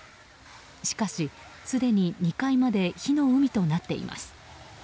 しかし、すでに２階まで火の海となっています。